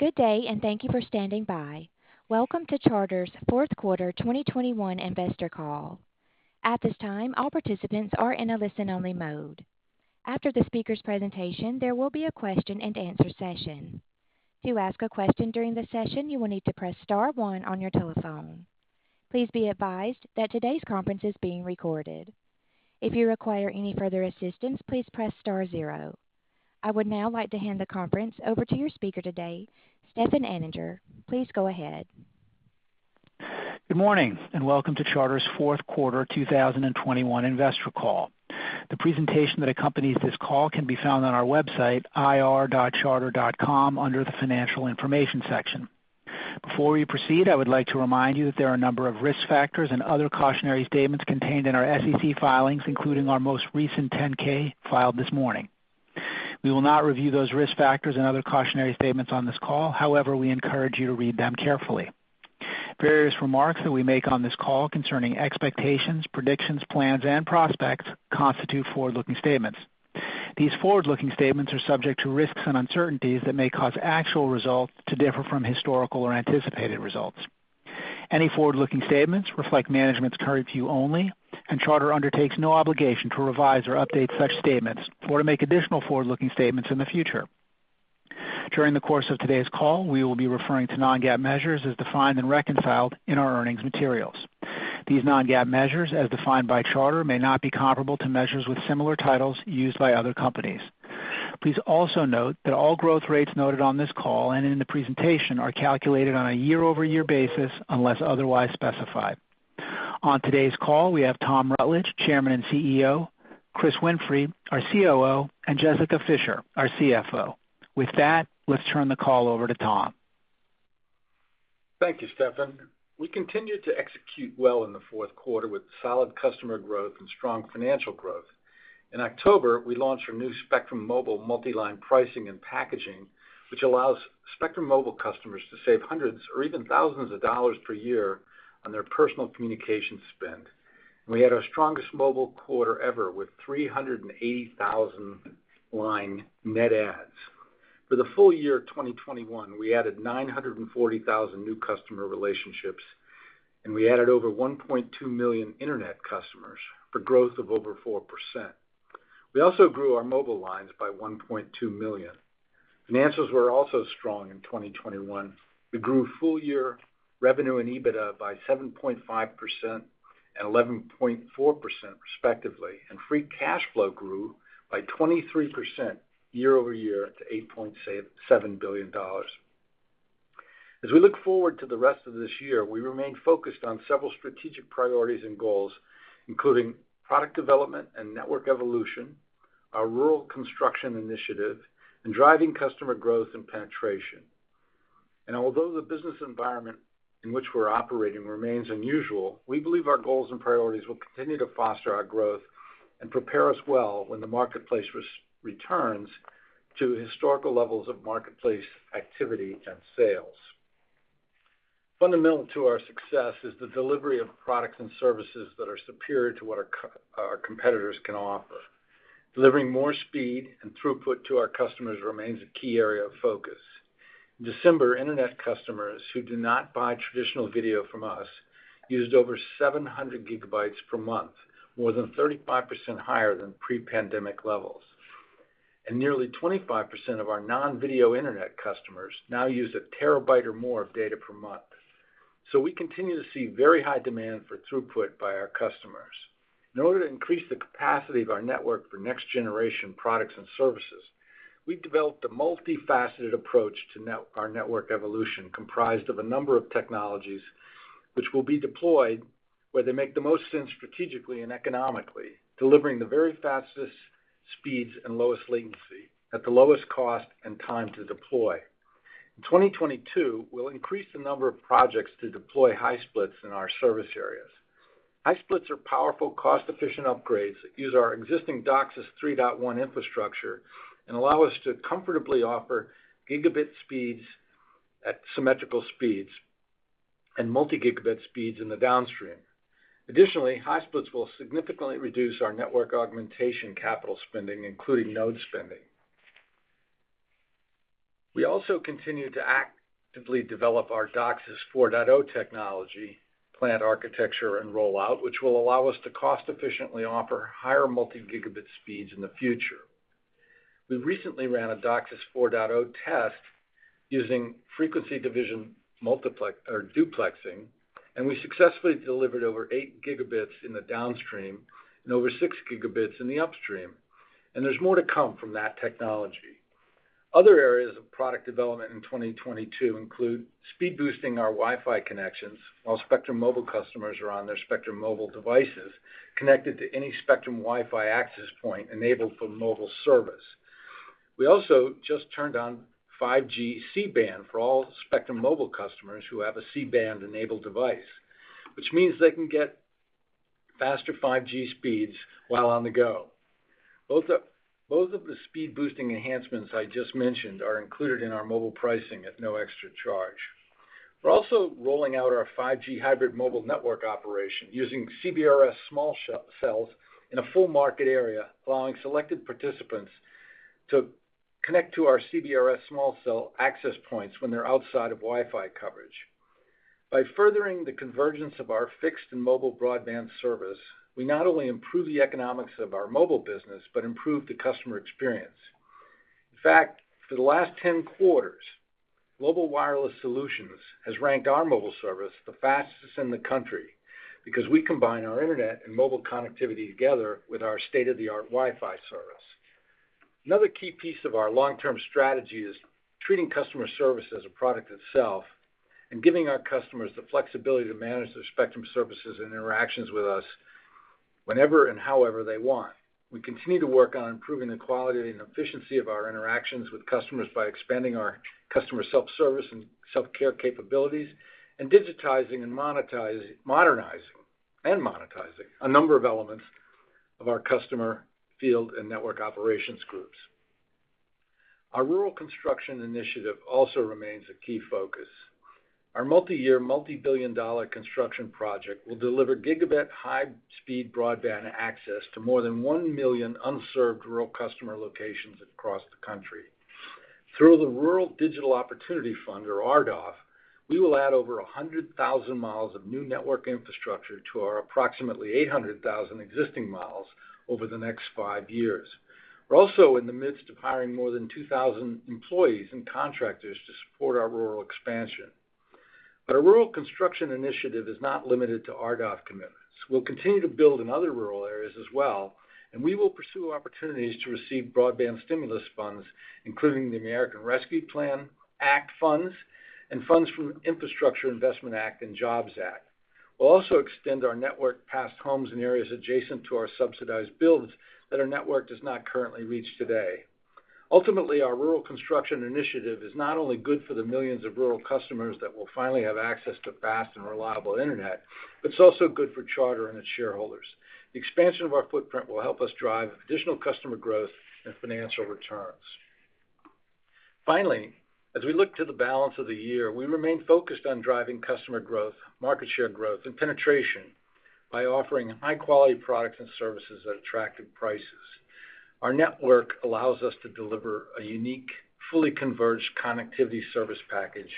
Good day, and thank you for standing by. Welcome to Charter's Q4 2021 investor call. At this time, all participants are in a listen-only mode. After the speaker's presentation, there will be a question and answer session. To ask a question during the session, you will need to press star one on your telephone. Please be advised that today's conference is being recorded. If you require any further assistance, please press star zero. I would now like to hand the conference over to your speaker today, Stefan Anninger. Please go ahead. Good morning, and welcome to Charter's Q4 2021 investor call. The presentation that accompanies this call can be found on our website, ir.charter.com, under the Financial Information section. Before we proceed, I would like to remind you that there are a number of risk factors and other cautionary statements contained in our SEC filings, including our most recent 10-K filed this morning. We will not review those risk factors and other cautionary statements on this call. However, we encourage you to read them carefully. Various remarks that we make on this call concerning expectations, predictions, plans, and prospects constitute forward-looking statements. These forward-looking statements are subject to risks and uncertainties that may cause actual results to differ from historical or anticipated results. Any forward-looking statements reflect management's current view only, and Charter undertakes no obligation to revise or update such statements or to make additional forward-looking statements in the future. During the course of today's call, we will be referring to non-GAAP measures as defined and reconciled in our earnings materials. These non-GAAP measures, as defined by Charter, may not be comparable to measures with similar titles used by other companies. Please also note that all growth rates noted on this call and in the presentation are calculated on a year-over-year basis unless otherwise specified. On today's call, we have Tom Rutledge, Chairman and CEO, Chris Winfrey, our COO, and Jessica Fischer, our CFO. With that, let's turn the call over to Tom. Thank you, Stefan. We continued to execute well in the Q4 with solid customer growth and strong financial growth. In October, we launched our new Spectrum Mobile multi-line pricing and packaging, which allows Spectrum Mobile customers to save hundreds or even thousands of dollars per year on their personal communication spend. We had our strongest mobile quarter ever with 380,000 line net adds. For the full year of 2021, we added 940,000 new customer relationships, and we added over 1.2 million internet customers for growth of over 4%. We also grew our mobile lines by 1.2 million. Finances were also strong in 2021. We grew full year revenue and EBITDA by 7.5% and 11.4%, respectively, and free cash flow grew by 23% year-over-year to $8.7 billion. As we look forward to the rest of this year, we remain focused on several strategic priorities and goals, including product development and network evolution, our rural construction initiative, and driving customer growth and penetration. Although the business environment in which we're operating remains unusual, we believe our goals and priorities will continue to foster our growth and prepare us well when the marketplace returns to historical levels of marketplace activity and sales. Fundamental to our success is the delivery of products and services that are superior to what our our competitors can offer. Delivering more speed and throughput to our customers remains a key area of focus. In December, internet customers who did not buy traditional video from us used over 700 GB per month, more than 35% higher than pre-pandemic levels. Nearly 25% of our non-video internet customers now use a TB or more of data per month. We continue to see very high demand for throughput by our customers. In order to increase the capacity of our network for next generation products and services, we've developed a multi-faceted approach to our network evolution, comprised of a number of technologies which will be deployed where they make the most sense strategically and economically, delivering the very fastest speeds and lowest latency at the lowest cost and time to deploy. In 2022, we'll increase the number of projects to deploy high splits in our service areas. High splits are powerful, cost-efficient upgrades that use our existing DOCSIS 3.1 infrastructure and allow us to comfortably offer Gb speeds at symmetrical speeds and multi-gigabit speeds in the downstream. Additionally, high splits will significantly reduce our network augmentation capital spending, including node spending. We also continue to actively develop our DOCSIS 4.0 technology, plant architecture, and rollout, which will allow us to cost efficiently offer higher multi-gigabit speeds in the future. We recently ran a DOCSIS 4.0 test using frequency division duplexing, and we successfully delivered over 8 Gb in the downstream and over 6 Gb in the upstream. There's more to come from that technology. Other areas of product development in 2022 include speed boosting our Wi-Fi connections while Spectrum Mobile customers are on their Spectrum Mobile devices connected to any Spectrum Wi-Fi access point enabled for mobile service. We also just turned on 5G C-band for all Spectrum Mobile customers who have a C-band enabled device, which means they can get faster 5G speeds while on the go. Both of the speed boosting enhancements I just mentioned are included in our mobile pricing at no extra charge. We're also rolling out our 5G hybrid mobile network operation using CBRS small cells in a full market area, allowing selected participants to connect to our CBRS small cell access points when they're outside of Wi-Fi coverage. By furthering the convergence of our fixed and mobile broadband service, we not only improve the economics of our mobile business, but improve the customer experience. In fact, for the last 10 quarters, Global Wireless Solutions has ranked our mobile service the fastest in the country because we combine our internet and mobile connectivity together with our state-of-the-art Wi-Fi service. Another key piece of our long-term strategy is treating customer service as a product itself and giving our customers the flexibility to manage their Spectrum services and interactions with us whenever and however they want. We continue to work on improving the quality and efficiency of our interactions with customers by expanding our customer self-service and self-care capabilities, and modernizing and monetizing a number of elements of our customer field and network operations groups. Our rural construction initiative also remains a key focus. Our multi-year, multi-billion dollar construction project will deliver gigabit high-speed broadband access to more than 1 million unserved rural customer locations across the country. Through the Rural Digital Opportunity Fund, or RDOF, we will add over 100,000 miles of new network infrastructure to our approximately 800,000 existing miles over the next five years. We're also in the midst of hiring more than 2,000 employees and contractors to support our rural expansion. Our rural construction initiative is not limited to RDOF commitments. We'll continue to build in other rural areas as well, and we will pursue opportunities to receive broadband stimulus funds, including the American Rescue Plan Act funds and funds from Infrastructure Investment and Jobs Act. We'll also extend our network past homes and areas adjacent to our subsidized builds that our network does not currently reach today. Ultimately, our rural construction initiative is not only good for the millions of rural customers that will finally have access to fast and reliable internet, but it's also good for Charter and its shareholders. The expansion of our footprint will help us drive additional customer growth and financial returns. Finally, as we look to the balance of the year, we remain focused on driving customer growth, market share growth, and penetration by offering high-quality products and services at attractive prices. Our network allows us to deliver a unique, fully converged connectivity service package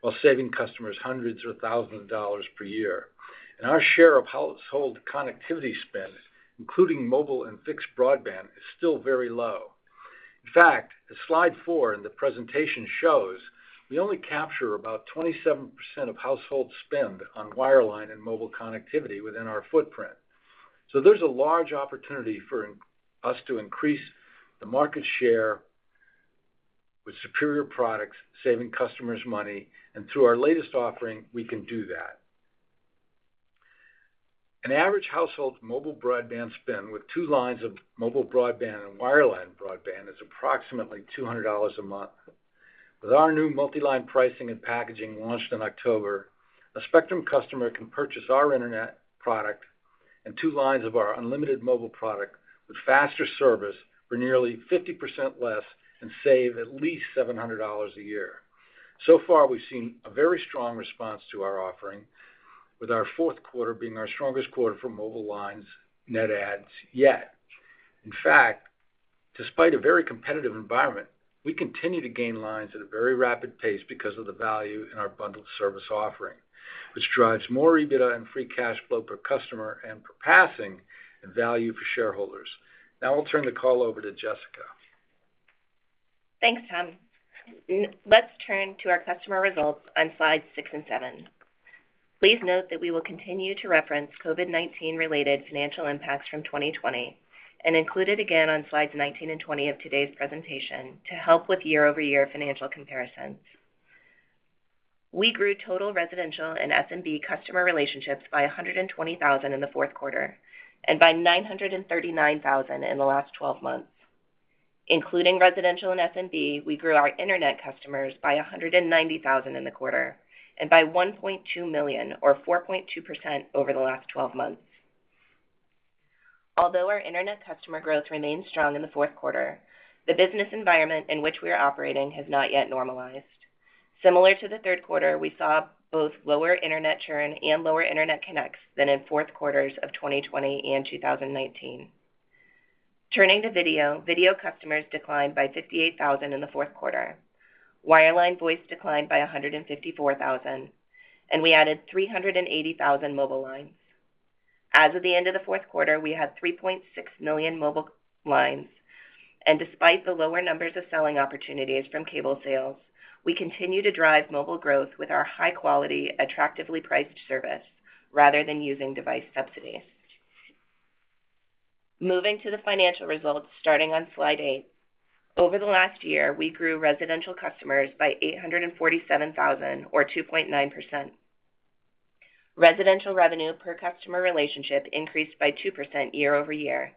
while saving customers hundreds or thousands of dollars per year. Our share of household connectivity spend, including mobile and fixed broadband, is still very low. In fact, as slide four in the presentation shows, we only capture about 27% of household spend on wireline and mobile connectivity within our footprint. There's a large opportunity for us to increase the market share with superior products, saving customers money, and through our latest offering, we can do that. An average household mobile broadband spend with two lines of mobile broadband and wireline broadband is approximately $200 a month. With our new multi-line pricing and packaging launched in October, a Spectrum customer can purchase our internet product and two lines of our unlimited mobile product with faster service for nearly 50% less and save at least $700 a year. So far, we've seen a very strong response to our offering, with our Q4 being our strongest quarter for mobile lines net adds yet. In fact, despite a very competitive environment, we continue to gain lines at a very rapid pace because of the value in our bundled service offering, which drives more EBITDA and free cash flow per customer and by passing the value to shareholders. Now I'll turn the call over to Jessica. Thanks, Tom. Let's turn to our customer results on slides six and seven. Please note that we will continue to reference COVID-19 related financial impacts from 2020, and include it again on slides 19 and 20 of today's presentation to help with year-over-year financial comparisons. We grew total residential and SMB customer relationships by 120,000 in the Q4 and by 939,000 in the last twelve months. Including residential and SMB, we grew our internet customers by 190,000 in the quarter and by 1.2 million or 4.2% over the last 12 months. Although our internet customer growth remained strong in the Q4, the business environment in which we are operating has not yet normalized. Similar to the Q3, we saw both lower internet churn and lower internet connects than in Q4s of 2020 and 2019. Turning to video customers declined by 58,000 in the Q4. Wireline voice declined by 154,000, and we added 380,000 mobile lines. As of the end of the Q4, we had 3.6 million mobile lines, and despite the lower numbers of selling opportunities from cable sales, we continue to drive mobile growth with our high-quality, attractively priced service rather than using device subsidies. Moving to the financial results starting on slide eight. Over the last year, we grew residential customers by 847,000 or 2.9%. Residential revenue per customer relationship increased by 2% year over year,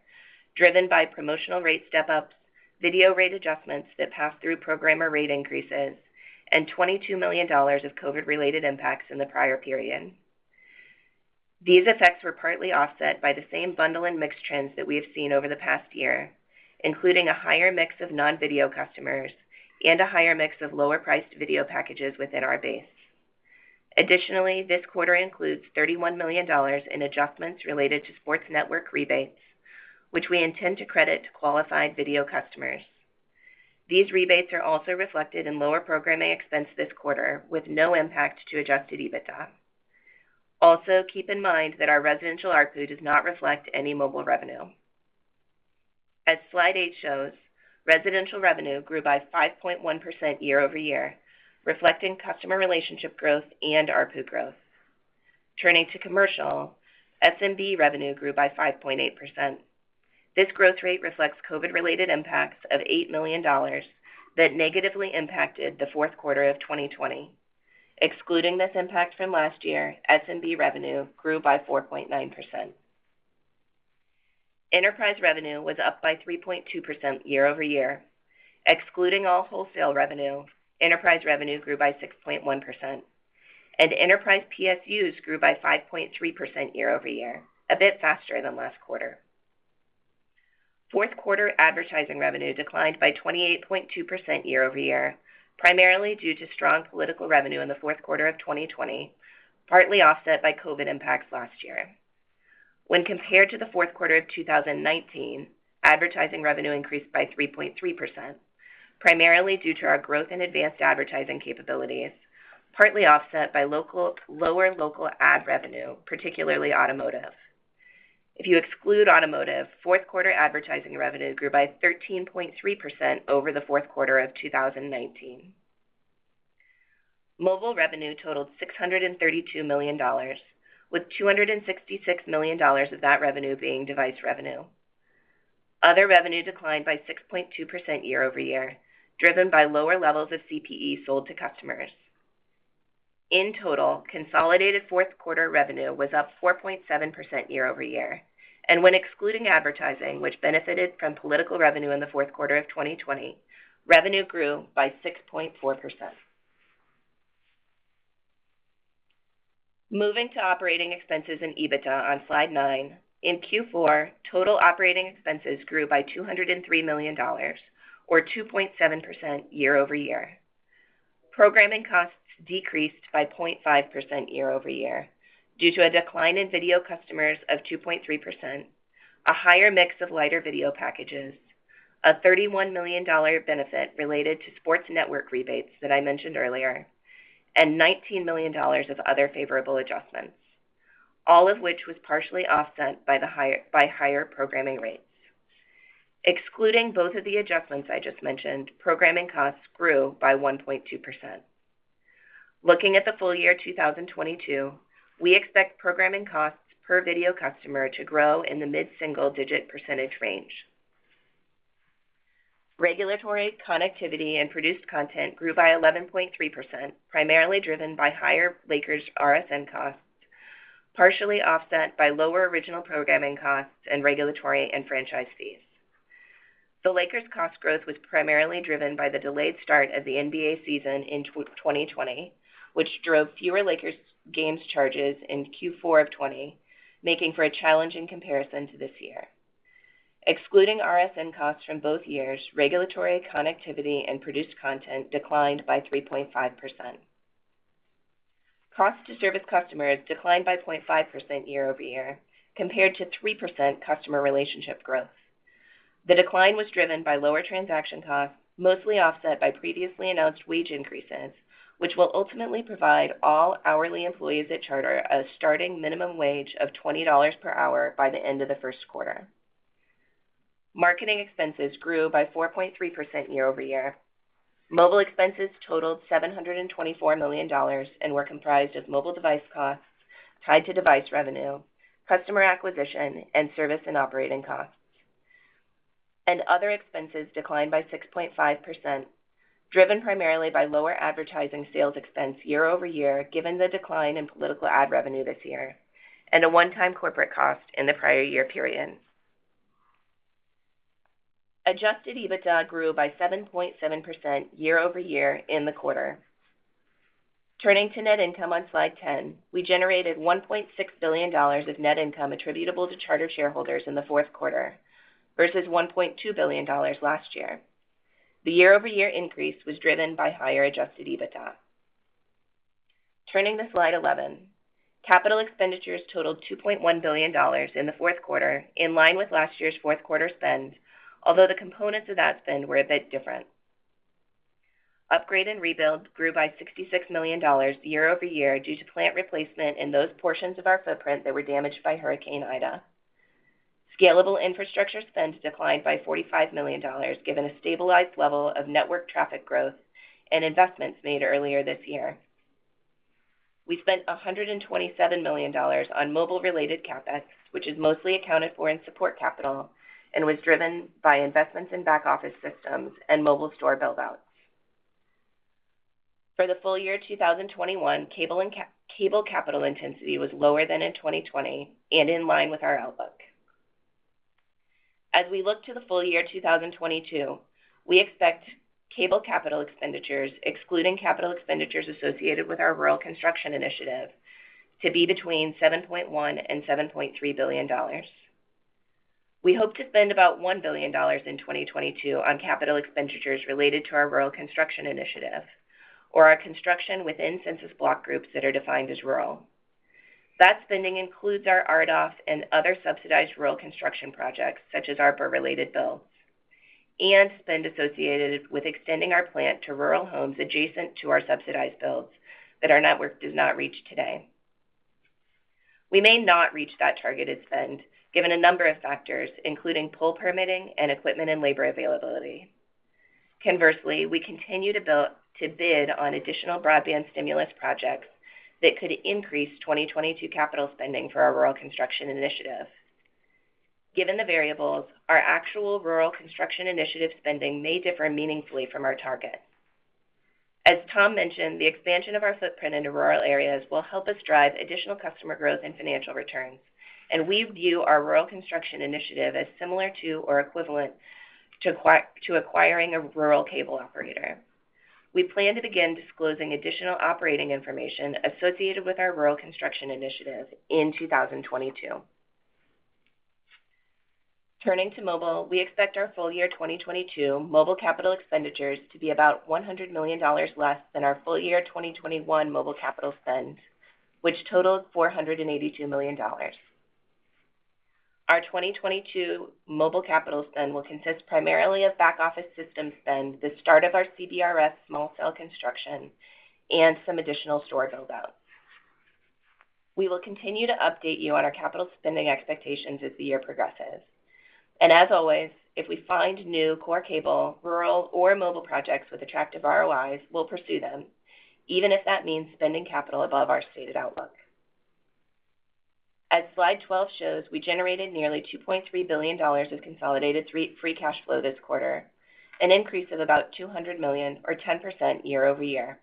driven by promotional rate step-ups, video rate adjustments that pass through programmer rate increases, and $22 million of COVID-related impacts in the prior period. These effects were partly offset by the same bundle and mix trends that we have seen over the past year, including a higher mix of non-video customers and a higher mix of lower-priced video packages within our base. Additionally, this quarter includes $31 million in adjustments related to sports network rebates, which we intend to credit to qualified video customers. These rebates are also reflected in lower programming expense this quarter, with no impact to adjusted EBITDA. Also, keep in mind that our residential ARPU does not reflect any mobile revenue. As slide eight shows, residential revenue grew by 5.1% year over year, reflecting customer relationship growth and ARPU growth. Turning to commercial, SMB revenue grew by 5.8%. This growth rate reflects COVID-related impacts of $8 million that negatively impacted the Q4 of 2020. Excluding this impact from last year, SMB revenue grew by 4.9%. Enterprise revenue was up by 3.2% year-over-year. Excluding all wholesale revenue, enterprise revenue grew by 6.1%, and enterprise PSUs grew by 5.3% year-over-year, a bit faster than last quarter. Q4 advertising revenue declined by 28.2% year-over-year, primarily due to strong political revenue in the Q4 of 2020, partly offset by COVID impacts last year. When compared to the Q4 of 2019, advertising revenue increased by 3.3%, primarily due to our growth in advanced advertising capabilities, partly offset by lower local ad revenue, particularly automotive. If you exclude automotive, Q4 advertising revenue grew by 13.3% over the Q4 of 2019. Mobile revenue totaled $632 million, with $266 million of that revenue being device revenue. Other revenue declined by 6.2% year over year, driven by lower levels of CPE sold to customers. In total, consolidated Q4 revenue was up 4.7% year over year. When excluding advertising, which benefited from political revenue in the Q4 of 2020, revenue grew by 6.4%. Moving to operating expenses and EBITDA on slide nine, in Q4, total operating expenses grew by $203 million, or 2.7% year-over-year. Programming costs decreased by 0.5% year-over-year due to a decline in video customers of 2.3%, a higher mix of lighter video packages, a $31 million benefit related to sports network rebates that I mentioned earlier, and $19 million of other favorable adjustments, all of which was partially offset by higher programming rates. Excluding both of the adjustments I just mentioned, programming costs grew by 1.2%. Looking at the full year 2022, we expect programming costs per video customer to grow in the mid-single-digit percentage range. Regulatory connectivity and produced content grew by 11.3%, primarily driven by higher Lakers RSN costs, partially offset by lower original programming costs and regulatory and franchise fees. The Lakers cost growth was primarily driven by the delayed start of the NBA season in 2020, which drove fewer Lakers games charges in Q4 of 2020, making for a challenging comparison to this year. Excluding RSN costs from both years, regulatory connectivity and produced content declined by 3.5%. Cost to service customers declined by 0.5% year-over-year compared to 3% customer relationship growth. The decline was driven by lower transaction costs, mostly offset by previously announced wage increases, which will ultimately provide all hourly employees at Charter a starting minimum wage of $20 per hour by the end of the Q1. Marketing expenses grew by 4.3% year-over-year. Mobile expenses totaled $724 million and were comprised of mobile device costs tied to device revenue, customer acquisition, and service and operating costs. Other expenses declined by 6.5%, driven primarily by lower advertising sales expense year-over-year, given the decline in political ad revenue this year and a one-time corporate cost in the prior year period. Adjusted EBITDA grew by 7.7% year-over-year in the quarter. Turning to net income on slide 10, we generated $1.6 billion of net income attributable to Charter shareholders in the Q4 versus $1.2 billion last year. The year-over-year increase was driven by higher adjusted EBITDA. Turning to slide 11, capital expenditures totaled $2.1 billion in the Q4, in line with last year's Q4 spend, although the components of that spend were a bit different. Upgrade and rebuild grew by $66 million year-over-year due to plant replacement in those portions of our footprint that were damaged by Hurricane Ida. Scalable infrastructure spend declined by $45 million, given a stabilized level of network traffic growth and investments made earlier this year. We spent $127 million on mobile-related CapEx, which is mostly accounted for in support capital and was driven by investments in back office systems and mobile store build-outs. For the full year 2021, cable capital intensity was lower than in 2020 and in line with our outlook. As we look to the full year 2022, we expect cable capital expenditures, excluding capital expenditures associated with our rural construction initiative, to be between $7.1 billion and $7.3 billion. We hope to spend about $1 billion in 2022 on capital expenditures related to our rural construction initiative or our construction within census block groups that are defined as rural. That spending includes our RDOF and other subsidized rural construction projects, such as ARPA related builds, and spend associated with extending our plant to rural homes adjacent to our subsidized builds that our network does not reach today. We may not reach that targeted spend given a number of factors, including pole permitting and equipment and labor availability. Conversely, we continue to bid on additional broadband stimulus projects that could increase 2022 capital spending for our rural construction initiative. Given the variables, our actual rural construction initiative spending may differ meaningfully from our target. As Tom mentioned, the expansion of our footprint into rural areas will help us drive additional customer growth and financial returns, and we view our rural construction initiative as similar to or equivalent to acquiring a rural cable operator. We plan to begin disclosing additional operating information associated with our rural construction initiative in 2022. Turning to mobile, we expect our full year 2022 mobile capital expenditures to be about $100 million less than our full year 2021 mobile capital spend, which totaled $482 million. Our 2022 mobile capital spend will consist primarily of back-office system spend, the start of our CBRS small cell construction, and some additional store build outs. We will continue to update you on our capital spending expectations as the year progresses. As always, if we find new core cable, rural or mobile projects with attractive ROIs, we'll pursue them, even if that means spending capital above our stated outlook. As slide 12 shows, we generated nearly $2.3 billion of consolidated debt-free cash flow this quarter, an increase of about $200 million or 10% year-over-year.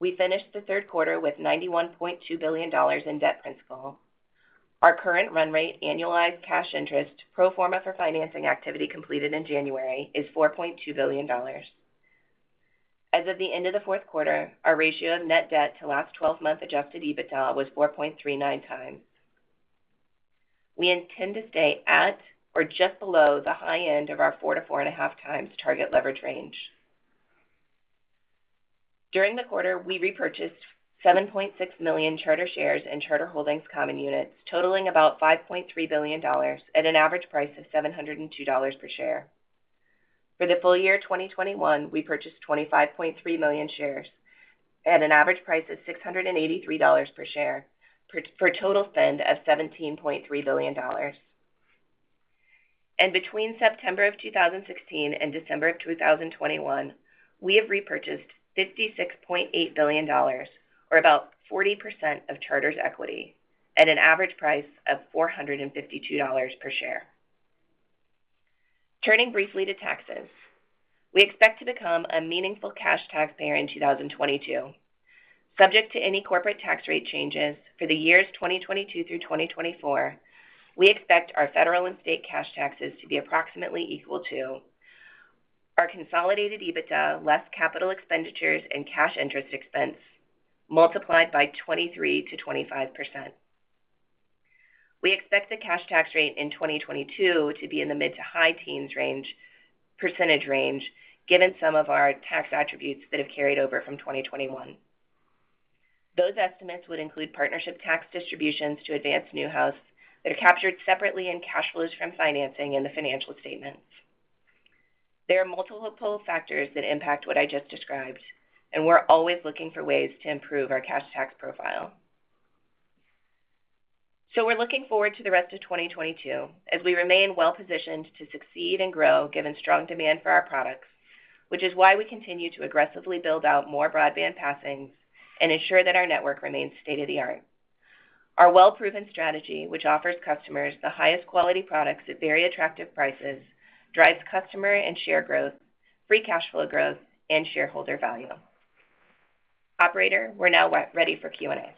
We finished the Q3 with $91.2 billion in debt principal. Our current run rate annualized cash interest pro forma for financing activity completed in January is $4.2 billion. As of the end of the Q4, our ratio of net debt to last twelve month adjusted EBITDA was 4.39x. We intend to stay at or just below the high end of our 4x-4.5x target leverage range. During the quarter, we repurchased 7.6 million Charter shares and Charter Holdings common units totaling about $5.3 billion at an average price of $702 per share. For the full year 2021, we purchased 25.3 million shares at an average price of $683 per share for a total spend of $17.3 billion. Between September of 2016 and December of 2021, we have repurchased $56.8 billion or about 40% of Charter's equity at an average price of $452 per share. Turning briefly to taxes. We expect to become a meaningful cash taxpayer in 2022. Subject to any corporate tax rate changes for the years 2022 through 2024, we expect our federal and state cash taxes to be approximately equal to our consolidated EBITDA, less capital expenditures and cash interest expense multiplied by 23%-25%. We expect the cash tax rate in 2022 to be in the mid- to high-teens range, percentage range, given some of our tax attributes that have carried over from 2021. Those estimates would include partnership tax distributions to Advance/Newhouse that are captured separately in cash flows from financing in the financial statements. There are multiple factors that impact what I just described, and we're always looking for ways to improve our cash tax profile. We're looking forward to the rest of 2022 as we remain well positioned to succeed and grow given strong demand for our products, which is why we continue to aggressively build out more broadband passings and ensure that our network remains state-of-the-art. Our well-proven strategy, which offers customers the highest quality products at very attractive prices, drives customer and share growth, free cash flow growth, and shareholder value. Operator, we're now ready for Q&A.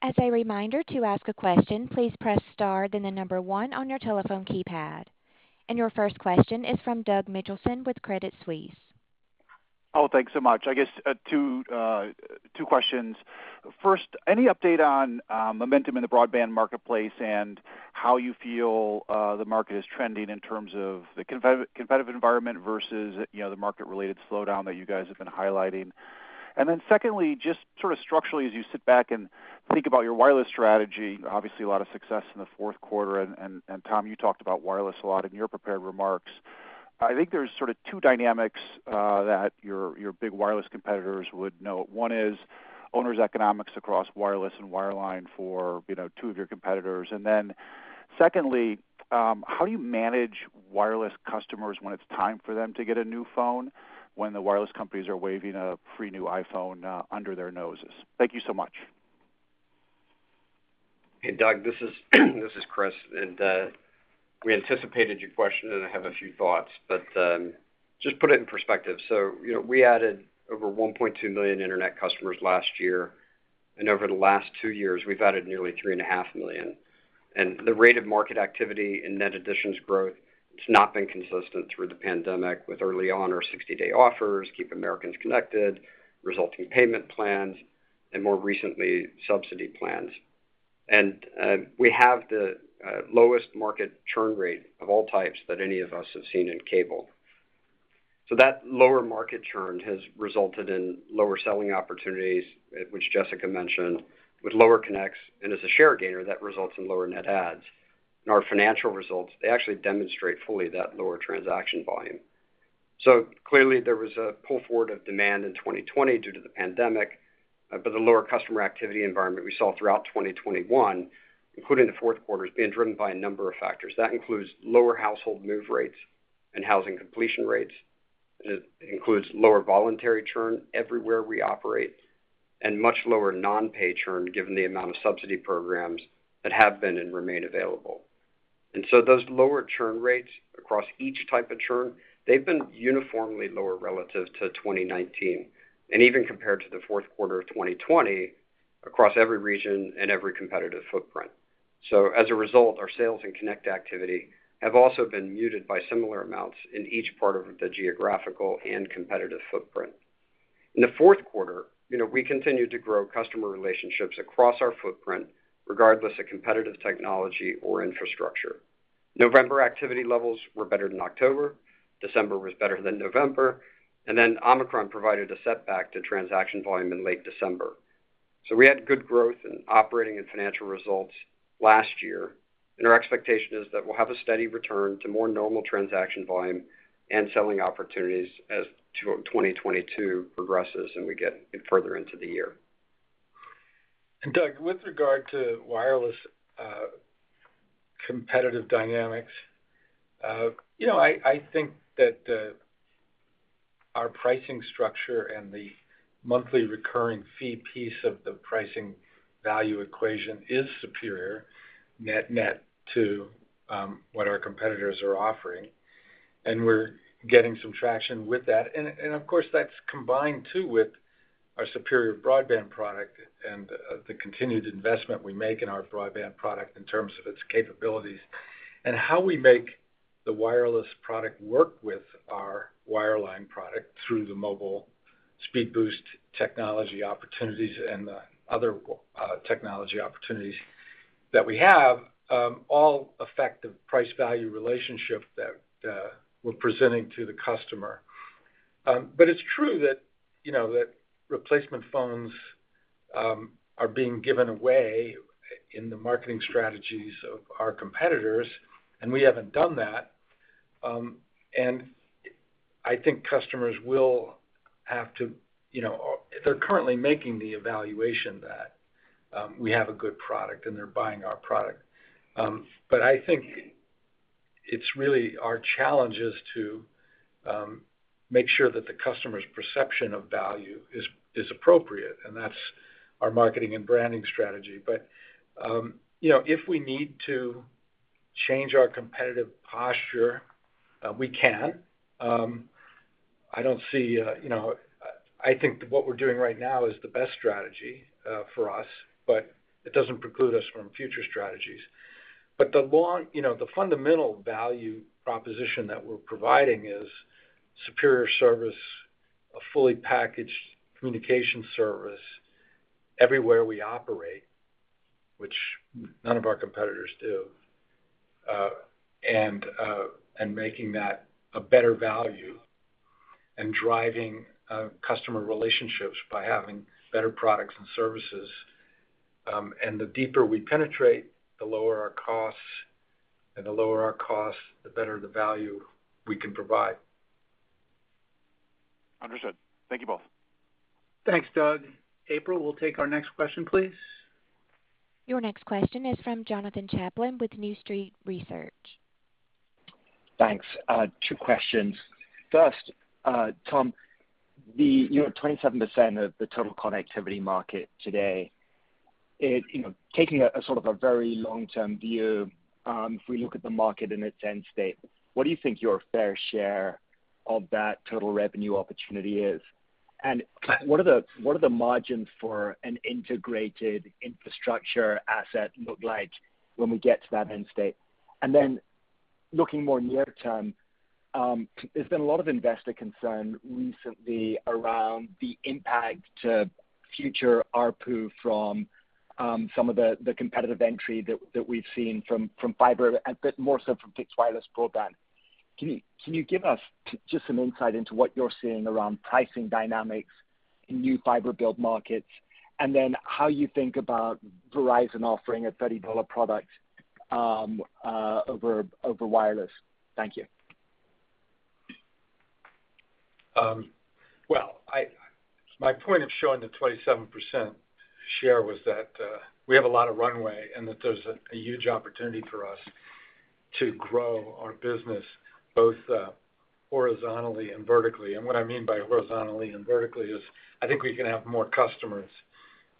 As a reminder to ask a question, please press star then the number one on your telephone keypad. Your first question is from Doug Mitchelson with Credit Suisse. Oh, thanks so much. I guess two questions. First, any update on momentum in the broadband marketplace and how you feel the market is trending in terms of the competitive environment versus, you know, the market-related slowdown that you guys have been highlighting. Secondly, just sort of structurally, as you sit back and think about your wireless strategy, obviously a lot of success in the Q4. Tom, you talked about wireless a lot in your prepared remarks. I think there's sort of two dynamics that your big wireless competitors would note. One is onerous economics across wireless and wireline for, you know, two of your competitors. Secondly, how do you manage wireless customers when it's time for them to get a new phone when the wireless companies are waving a free new iPhone under their noses? Thank you so much. Hey, Doug. This is Chris. We anticipated your question, and I have a few thoughts, but just put it in perspective. You know, we added over 1.2 million internet customers last year. Over the last two years, we've added nearly 3.5 million. The rate of market activity in net additions growth, it's not been consistent through the pandemic with early on our 60-day offers, Keep Americans Connected, resulting payment plans, and more recently, subsidy plans. We have the lowest market churn rate of all types that any of us have seen in cable. That lower market churn has resulted in lower selling opportunities, which Jessica mentioned, with lower connects, and as a share gainer, that results in lower net adds. In our financial results, they actually demonstrate fully that lower transaction volume. Clearly, there was a pull forward of demand in 2020 due to the pandemic, but the lower customer activity environment we saw throughout 2021, including the Q4, is being driven by a number of factors. That includes lower household move rates and housing completion rates. It includes lower voluntary churn everywhere we operate and much lower non-pay churn given the amount of subsidy programs that have been and remain available. Those lower churn rates across each type of churn, they've been uniformly lower relative to 2019 and even compared to the Q4 of 2020 across every region and every competitive footprint. As a result, our sales and connect activity have also been muted by similar amounts in each part of the geographical and competitive footprint. In the Q4, you know, we continued to grow customer relationships across our footprint, regardless of competitive technology or infrastructure. November activity levels were better than October, December was better than November, and then Omicron provided a setback to transaction volume in late December. We had good growth in operating and financial results last year, and our expectation is that we'll have a steady return to more normal transaction volume and selling opportunities as 2022 progresses, and we get further into the year. Doug, with regard to wireless, competitive dynamics, you know, I think that our pricing structure and the monthly recurring fee piece of the pricing value equation is superior net net to what our competitors are offering, and we're getting some traction with that. Of course, that's combined too with our superior broadband product and the continued investment we make in our broadband product in terms of its capabilities. How we make the wireless product work with our wireline product through the mobile speed boost technology opportunities and the other technology opportunities that we have all affect the price value relationship that we're presenting to the customer. But it's true that, you know, that replacement phones are being given away in the marketing strategies of our competitors, and we haven't done that. I think customers will have to, you know. They're currently making the evaluation that we have a good product, and they're buying our product. I think it's really our challenge is to make sure that the customer's perception of value is appropriate, and that's our marketing and branding strategy. You know, if we need to change our competitive posture, we can. I don't see, you know. I think what we're doing right now is the best strategy for us, but it doesn't preclude us from future strategies. The long, you know, the fundamental value proposition that we're providing is superior service, a fully packaged communication service everywhere we operate, which none of our competitors do, and making that a better value and driving customer relationships by having better products and services. The deeper we penetrate, the lower our costs, the better the value we can provide. Understood. Thank you both. Thanks, Doug. April, we'll take our next question, please. Your next question is from Jonathan Chaplin with New Street Research. Thanks. Two questions. First, Tom, you're at 27% of the total connectivity market today. You know, taking a sort of a very long-term view, if we look at the market in its end state, what do you think your fair share of that total revenue opportunity is? And what are the margins for an integrated infrastructure asset look like when we get to that end state? And then looking more near term, there's been a lot of investor concern recently around the impact to future ARPU from some of the competitive entry that we've seen from fiber, but more so from fixed wireless broadband. Can you give us just some insight into what you're seeing around pricing dynamics in new fiber build markets, and then how you think about Verizon offering a $30 product over wireless? Thank you. Well, my point of showing the 27% share was that we have a lot of runway and that there's a huge opportunity for us to grow our business both horizontally and vertically. What I mean by horizontally and vertically is I think we can have more customers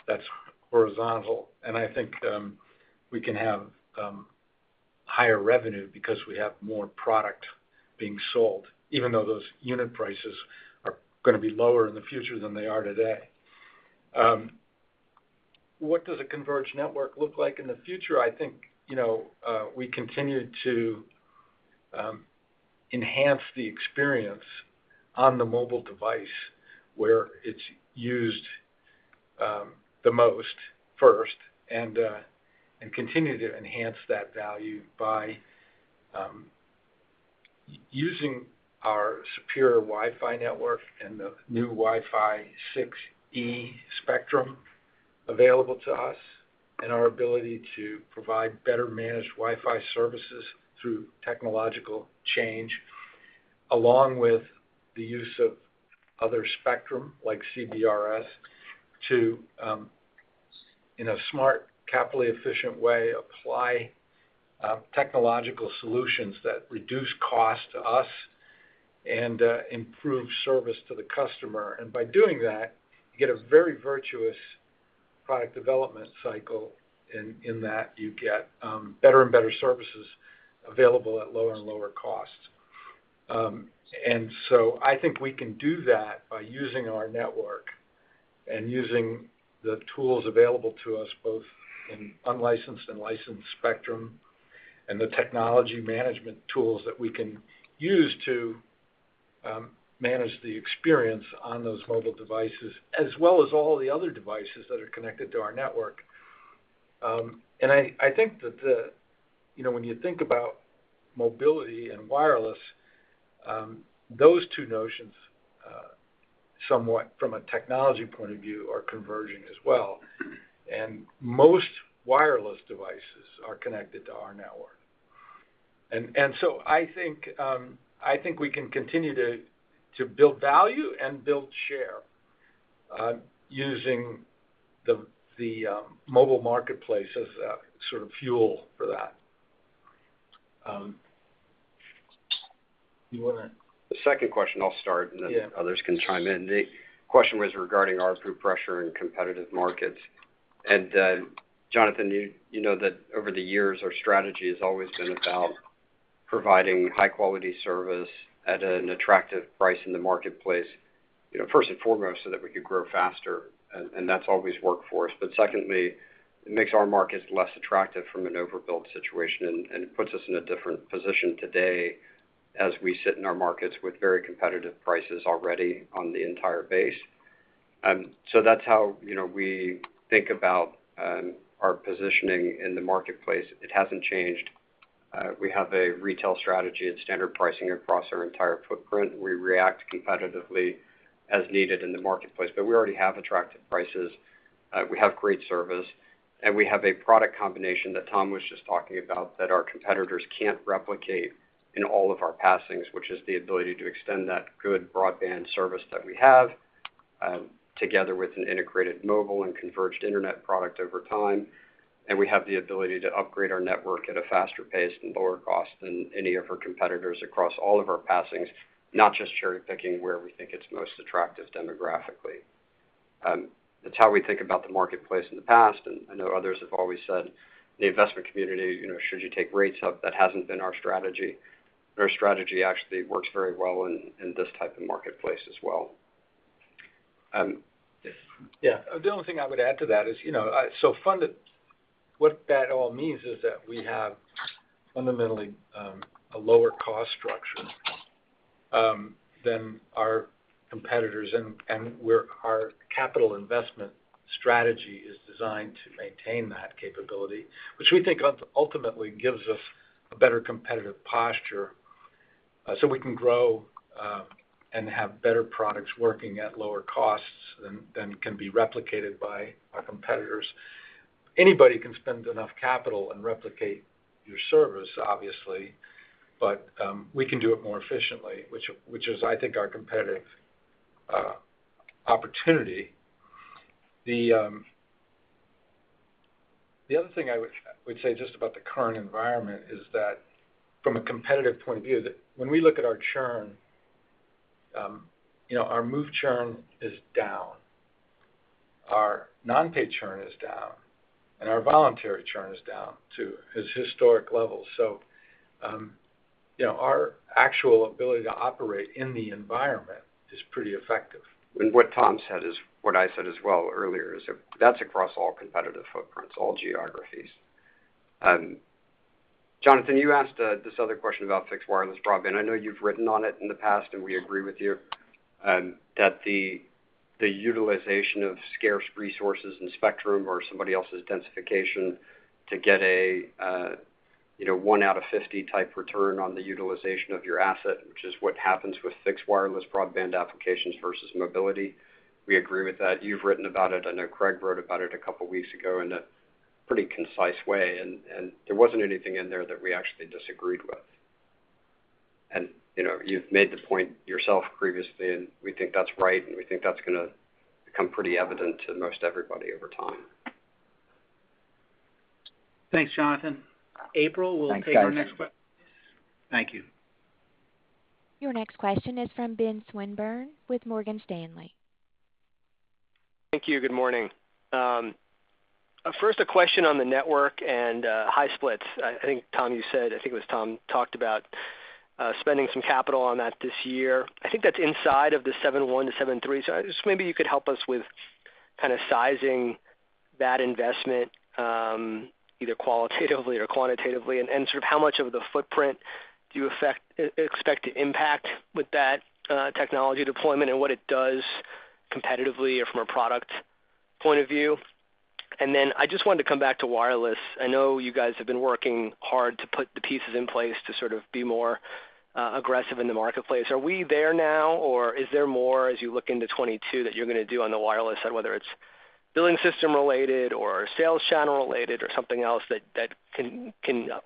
that's horizontal, and I think we can have higher revenue because we have more product being sold, even though those unit prices are gonna be lower in the future than they are today. What does a converged network look like in the future? I think, you know, we continue to enhance the experience on the mobile device where it's used the most first and continue to enhance that value by using our superior Wi-Fi network and the new Wi-Fi 6E spectrum available to us and our ability to provide better managed Wi-Fi services through technological change, along with the use of other spectrum like CBRS to, in a smart capital-efficient way, apply technological solutions that reduce cost to us and improve service to the customer. By doing that, you get a very virtuous product development cycle in that you get better and better services available at lower and lower costs. I think we can do that by using our network and using the tools available to us, both in unlicensed and licensed spectrum, and the technology management tools that we can use to manage the experience on those mobile devices, as well as all the other devices that are connected to our network. I think that. You know, when you think about mobility and wireless, those two notions somewhat from a technology point of view are converging as well. Most wireless devices are connected to our network. I think we can continue to build value and build share using the mobile marketplace as a sort of fuel for that. You wanna? The second question, I'll start. Yeah. Others can chime in. The question was regarding ARPU pressure in competitive markets. Jonathan, you know that over the years, our strategy has always been about providing high quality service at an attractive price in the marketplace, you know, first and foremost, so that we could grow faster, and that's always worked for us. Secondly, it makes our markets less attractive from an overbuilt situation, and it puts us in a different position today as we sit in our markets with very competitive prices already on the entire base. That's how, you know, we think about our positioning in the marketplace. It hasn't changed. We have a retail strategy and standard pricing across our entire footprint. We react competitively as needed in the marketplace. We already have attractive prices, we have great service, and we have a product combination that Tom was just talking about, that our competitors can't replicate in all of our passings, which is the ability to extend that good broadband service that we have, together with an integrated mobile and converged internet product over time. We have the ability to upgrade our network at a faster pace and lower cost than any of our competitors across all of our passings, not just cherry-picking where we think it's most attractive demographically. That's how we think about the marketplace in the past, and I know others have always said the investment community, you know, should you take rates up, that hasn't been our strategy. Our strategy actually works very well in this type of marketplace as well. Yeah. The only thing I would add to that is, you know, self-funded, what that all means is that we have fundamentally a lower cost structure than our competitors. Our capital investment strategy is designed to maintain that capability, which we think ultimately gives us a better competitive posture, so we can grow and have better products working at lower costs than can be replicated by our competitors. Anybody can spend enough capital and replicate your service, obviously, but we can do it more efficiently, which is I think our competitive opportunity. The other thing I would say just about the current environment is that from a competitive point of view, that when we look at our churn, you know, our move churn is down, our non-pay churn is down, and our voluntary churn is down to its historic levels. You know, our actual ability to operate in the environment is pretty effective. What Tom said is what I said as well earlier, is that's across all competitive footprints, all geographies. Jonathan, you asked this other question about fixed wireless broadband. I know you've written on it in the past, and we agree with you, that the utilization of scarce resources in spectrum or somebody else's densification to get a you know, one out of 50 type return on the utilization of your asset, which is what happens with fixed wireless broadband applications versus mobility. We agree with that. You've written about it. I know Craig wrote about it a couple weeks ago in a pretty concise way, and there wasn't anything in there that we actually disagreed with. You know, you've made the point yourself previously, and we think that's right, and we think that's gonna become pretty evident to most everybody over time. Thanks, Jonathan. April will take our next question. Thanks, guys. Thank you. Your next question is from Ben Swinburne with Morgan Stanley. Thank you. Good morning. First, a question on the network and high splits. I think Tom you said, I think it was Tom, talked about spending some capital on that this year. I think that's inside of $7.1 billion-$7.3 billion. Just maybe you could help us with kind of sizing that investment, either qualitatively or quantitatively. Sort of how much of the footprint do you expect to impact with that technology deployment, and what it does competitively or from a product point of view. Then I just wanted to come back to wireless. I know you guys have been working hard to put the pieces in place to sort of be more aggressive in the marketplace. Are we there now, or is there more as you look into 2022 that you're gonna do on the wireless side, whether it's billing system related or sales channel related or something else that can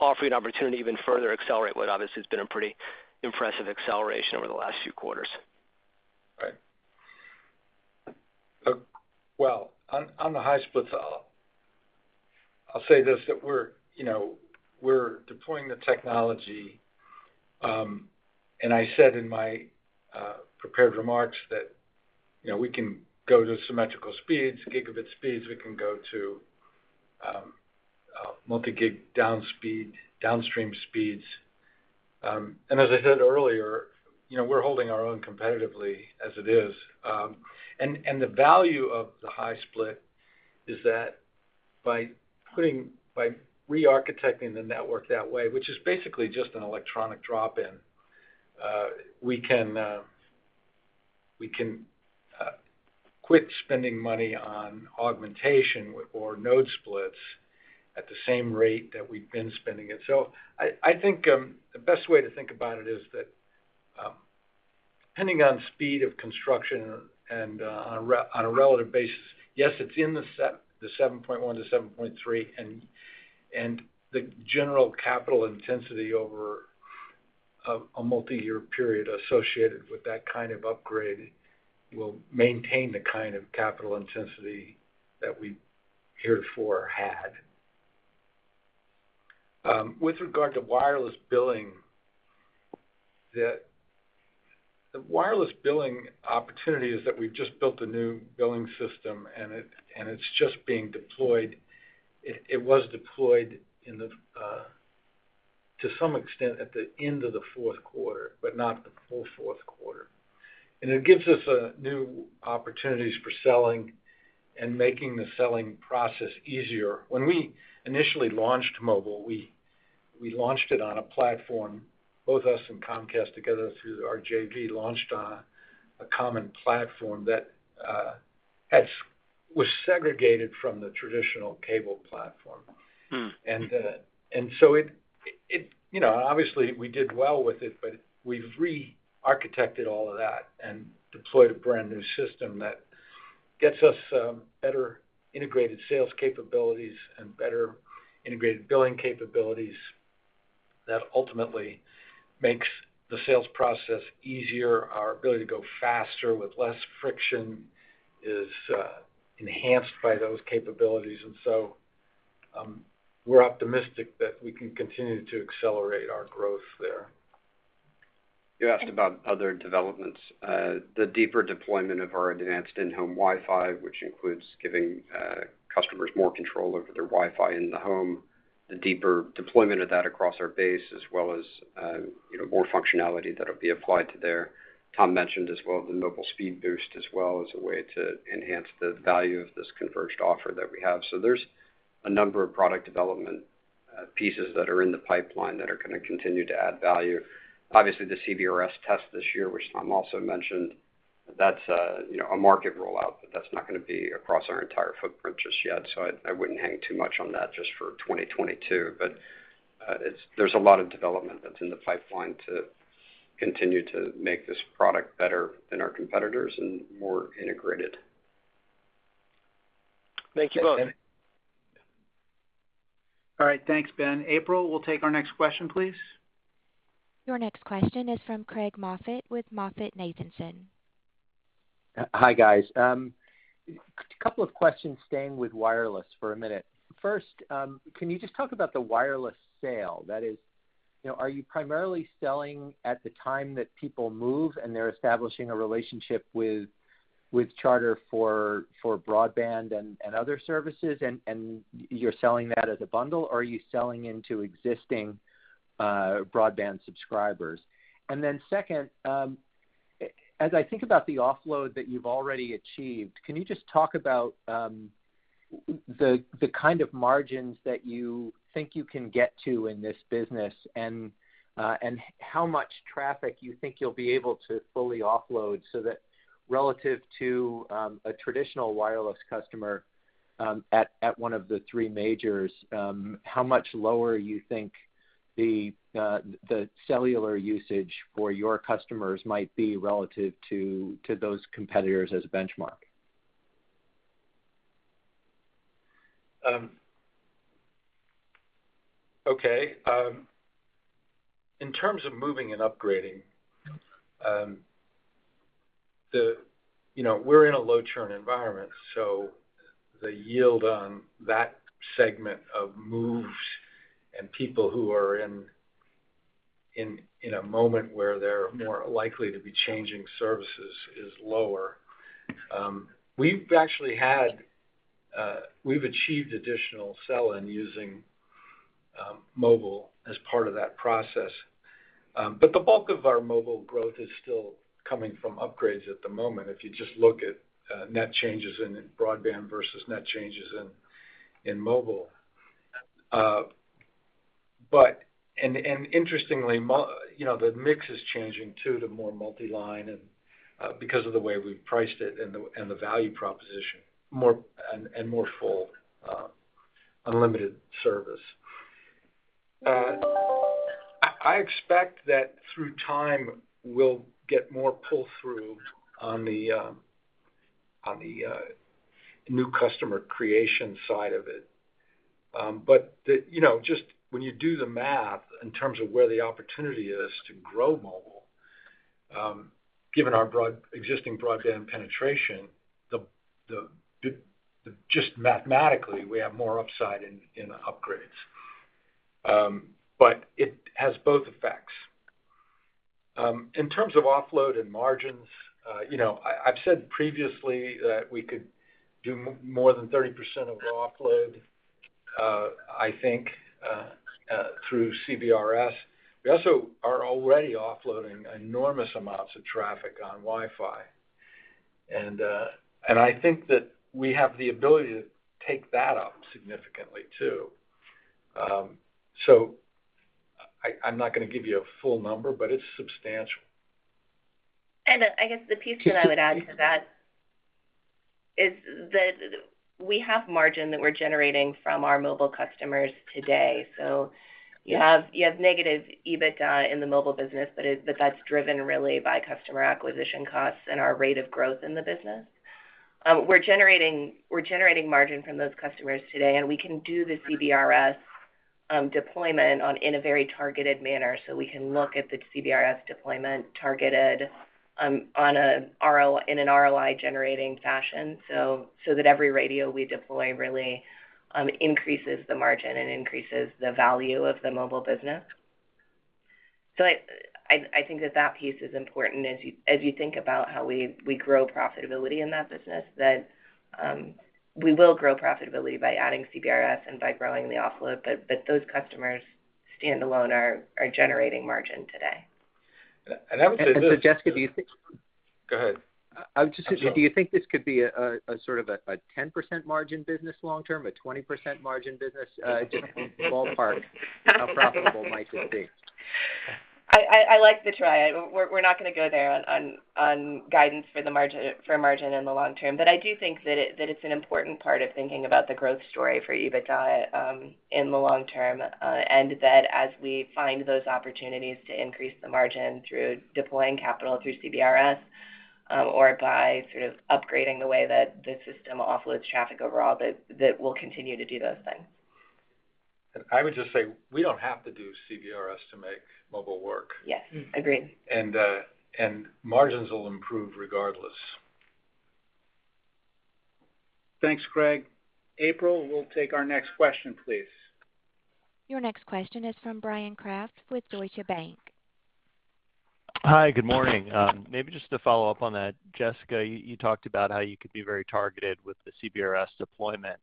offer you an opportunity to even further accelerate what obviously has been a pretty impressive acceleration over the last few quarters? Right. Well, on the high splits, I'll say this, that we're deploying the technology, you know, and I said in my prepared remarks that, you know, we can go to symmetrical speeds, gigabit speeds. We can go to multi-gig downstream speeds. As I said earlier, you know, we're holding our own competitively as it is. The value of the high split is that by re-architecting the network that way, which is basically just an electronic drop-in, we can quit spending money on augmentation or node splits at the same rate that we've been spending it. I think the best way to think about it is that, depending on speed of construction and, on a relative basis, yes, it's in the 7.1-7.3, and the general capital intensity over a multiyear period associated with that kind of upgrade will maintain the kind of capital intensity that we heretofore had. With regard to wireless billing, the wireless billing opportunity is that we've just built a new billing system, and it's just being deployed. It was deployed to some extent at the end of the Q4, but not the full Q4. It gives us new opportunities for selling and making the selling process easier. When we initially launched mobile, we launched it on a platform, both us and Comcast together through our JV, launched on a common platform that was segregated from the traditional cable platform. Mm. You know, obviously, we did well with it, but we've re-architected all of that and deployed a brand-new system that gets us better integrated sales capabilities and better integrated billing capabilities that ultimately makes the sales process easier. Our ability to go faster with less friction is enhanced by those capabilities. We're optimistic that we can continue to accelerate our growth there. You asked about other developments. The deeper deployment of our advanced in-home Wi-Fi, which includes giving customers more control over their Wi-Fi in the home, the deeper deployment of that across our base, as well as, you know, more functionality that'll be applied to there. Tom mentioned as well the mobile speed boost as well as a way to enhance the value of this converged offer that we have. There's a number of product development pieces that are in the pipeline that are gonna continue to add value. Obviously, the CBRS test this year, which Tom also mentioned, that's, you know, a market rollout, but that's not gonna be across our entire footprint just yet, so I wouldn't hang too much on that just for 2022. There's a lot of development that's in the pipeline to continue to make this product better than our competitors and more integrated. Thank you both. Yeah. All right. Thanks, Ben. April, we'll take our next question, please. Your next question is from Craig Moffett with MoffettNathanson. Hi, guys. Couple of questions staying with wireless for a minute. First, can you just talk about the wireless sale? That is, you know, are you primarily selling at the time that people move and they're establishing a relationship with Charter for broadband and other services and you're selling that as a bundle, or are you selling into existing broadband subscribers? Second, as I think about the offload that you've already achieved, can you just talk about the kind of margins that you think you can get to in this business and how much traffic you think you'll be able to fully offload so that relative to a traditional wireless customer at one of the three majors, how much lower you think the cellular usage for your customers might be relative to those competitors as a benchmark? Okay. In terms of moving and upgrading, you know, we're in a low churn environment, so the yield on that segment of moves and people who are in a moment where they're more likely to be changing services is lower. We've actually achieved additional sell-in using mobile as part of that process. The bulk of our mobile growth is still coming from upgrades at the moment if you just look at net changes in broadband versus net changes in mobile. Interestingly, you know, the mix is changing too to more multi-line and, because of the way we've priced it and the value proposition, more and more full unlimited service. I expect that through time we'll get more pull-through on the new customer creation side of it. You know, just when you do the math in terms of where the opportunity is to grow mobile, given our existing broadband penetration, just mathematically, we have more upside in upgrades. It has both effects. In terms of offload and margins, you know, I've said previously that we could do more than 30% of the offload, I think, through CBRS. We also are already offloading enormous amounts of traffic on Wi-Fi. I think that we have the ability to take that up significantly too. I'm not gonna give you a full number, but it's substantial. I guess the piece that I would add to that is that we have margin that we're generating from our mobile customers today. You have negative EBITDA in the mobile business, but that's driven really by customer acquisition costs and our rate of growth in the business. We're generating margin from those customers today, and we can do the CBRS deployment in a very targeted manner. We can look at the CBRS deployment targeted in an ROI-generating fashion, so that every radio we deploy really increases the margin and increases the value of the mobile business. I think that piece is important as you think about how we grow profitability in that business that we will grow profitability by adding CBRS and by growing the offload. Those customers standalone are generating margin today. I would say this. So, Jessica, do you think this could be a sort of a 10% margin business long term, a 20% margin business? Ballpark, how profitable might this be? I like the try. We're not gonna go there on guidance for the margin in the long term. I do think that it's an important part of thinking about the growth story for EBITDA in the long term, and that as we find those opportunities to increase the margin through deploying capital through CBRS, or by sort of upgrading the way that the system offloads traffic overall, that we'll continue to do those things. I would just say, we don't have to do CBRS to make mobile work. Yes, agreed. Margins will improve regardless. Thanks, Craig. April, we'll take our next question, please. Your next question is from Bryan Kraft with Deutsche Bank. Hi, good morning. Maybe just to follow up on that. Jessica, you talked about how you could be very targeted with the CBRS deployment.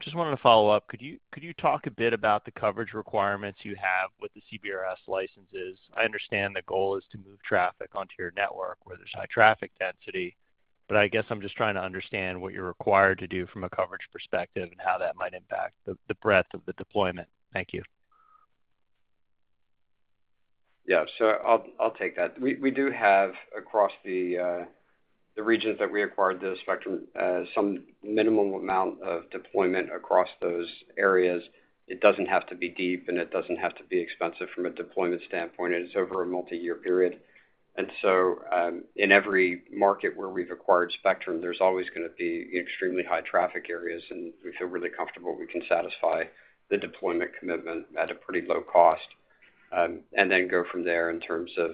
Just wanted to follow up. Could you talk a bit about the coverage requirements you have with the CBRS licenses? I understand the goal is to move traffic onto your network where there's high traffic density, but I guess I'm just trying to understand what you're required to do from a coverage perspective and how that might impact the breadth of the deployment. Thank you. Yeah. I'll take that. We do have across the regions that we acquired the spectrum, some minimum amount of deployment across those areas. It doesn't have to be deep, and it doesn't have to be expensive from a deployment standpoint, and it's over a multi-year period. In every market where we've acquired spectrum, there's always gonna be extremely high traffic areas, and we feel really comfortable we can satisfy the deployment commitment at a pretty low cost, and then go from there in terms of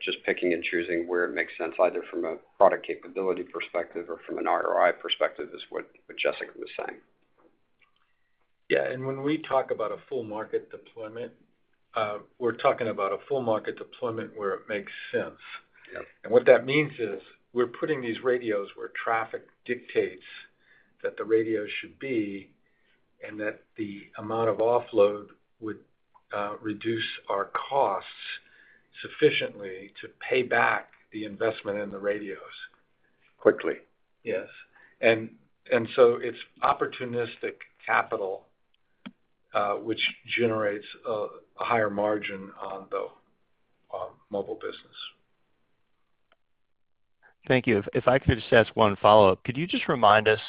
just picking and choosing where it makes sense, either from a product capability perspective or from an ROI perspective is what Jessica was saying. Yeah. When we talk about a full market deployment, we're talking about a full market deployment where it makes sense. Yep. What that means is we're putting these radios where traffic dictates that the radios should be and that the amount of offload would reduce our costs sufficiently to pay back the investment in the radios. Quickly. Yes. It's opportunistic capital, which generates a higher margin on the mobile business. Thank you. If I could just ask one follow-up. Could you just remind us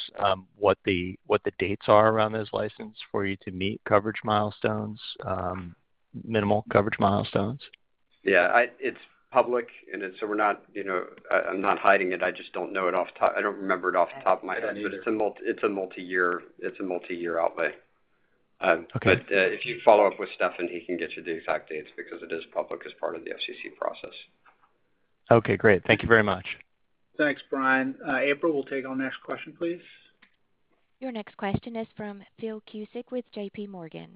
what the dates are around those license for you to meet coverage milestones, minimal coverage milestones? Yeah. It's public, and it's so we're not, you know. I'm not hiding it. I just don't know it off the top. I don't remember it off the top of my head. Yeah, me neither. It's a multi-year outlay. Okay. If you follow up with Stefan, he can get you the exact dates because it is public as part of the FCC process. Okay, great. Thank you very much. Thanks, Bryan. April, we'll take our next question, please. Your next question is from Phil Cusick with JPMorgan.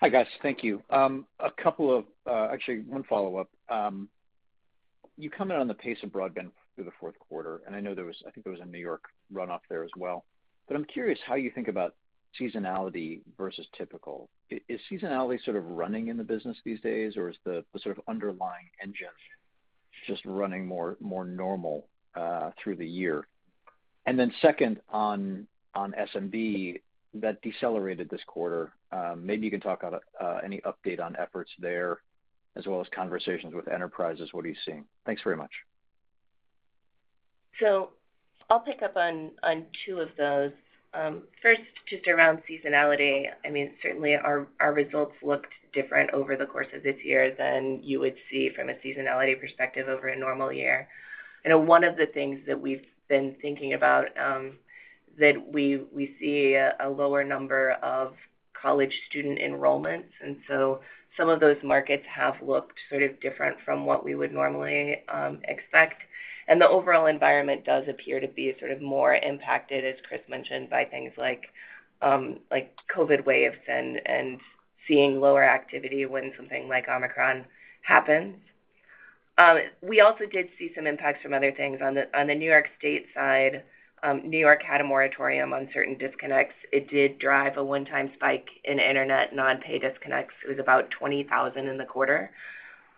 Hi, guys. Thank you. Actually one follow-up. You commented on the pace of broadband through the Q4, and I know there was, I think there was a New York run up there as well. I'm curious how you think about seasonality versus typical. Is seasonality sort of running in the business these days, or is the sort of underlying engine just running more normal through the year? Second on SMB that decelerated this quarter, maybe you can talk on any update on efforts there as well as conversations with enterprises, what are you seeing? Thanks very much. I'll pick up on two of those. First, just around seasonality. Certainly our results looked different over the course of this year than you would see from a seasonality perspective over a normal year. One of the things that we've been thinking about, that we see a lower number of college student enrollments, and so some of those markets have looked sort of different from what we would normally expect. The overall environment does appear to be sort of more impacted, as Chris mentioned, by things like COVID waves and seeing lower activity when something like Omicron happens. We also did see some impacts from other things. On the New York State side, New York had a moratorium on certain disconnects. It did drive a one-time spike in internet non-pay disconnects. It was about 20,000 in the quarter.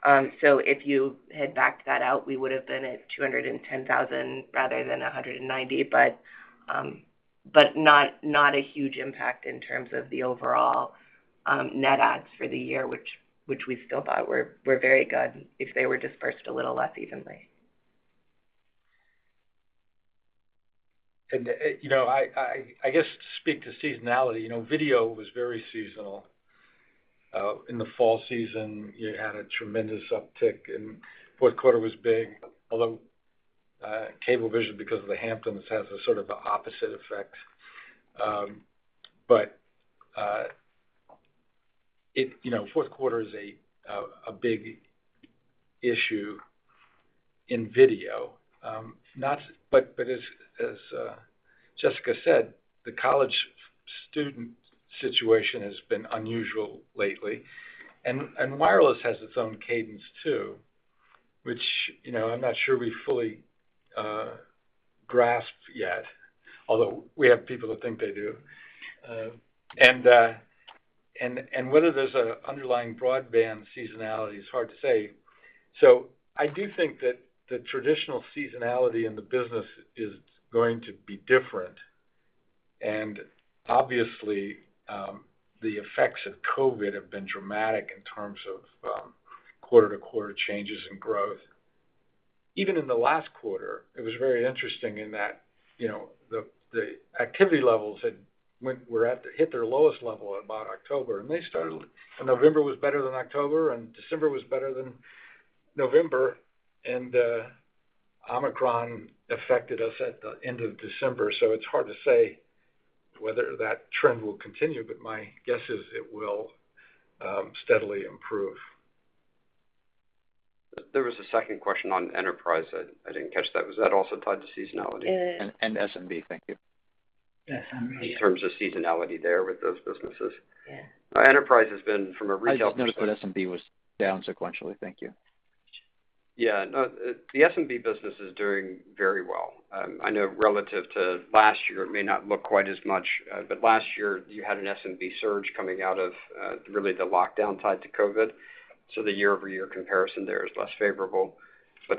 If you had backed that out, we would have been at 210,000 rather than 190,000. Not a huge impact in terms of the overall net adds for the year, which we still thought were very good if they were dispersed a little less evenly. You know, I guess to speak to seasonality. You know, video was very seasonal. In the fall season, you had a tremendous uptick, and Q4 was big. Although Cablevision, because of the Hamptons, has a sort of opposite effect. You know, Q4 is a big issue in video. But as Jessica said, the college student situation has been unusual lately. Wireless has its own cadence too, which, you know, I'm not sure we fully grasp yet, although we have people that think they do. Whether there's an underlying broadband seasonality is hard to say. I do think that the traditional seasonality in the business is going to be different. Obviously, the effects of COVID have been dramatic in terms of quarter-to-quarter changes in growth. Even in the last quarter, it was very interesting in that, you know, the activity levels hit their lowest level in about October, and they started and November was better than October, and December was better than November. Omicron affected us at the end of December. It's hard to say whether that trend will continue, but my guess is it will steadily improve. There was a second question on enterprise. I didn't catch that. Was that also tied to seasonality? It is. SMB. Thank you. SMB, yeah. In terms of seasonality there with those businesses. Yeah. Enterprise has been from a retail perspective. I just noticed that SMB was down sequentially. Thank you. Yeah. No, the SMB business is doing very well. I know relative to last year, it may not look quite as much, but last year you had an SMB surge coming out of really the lockdown tied to COVID. The year-over-year comparison there is less favorable.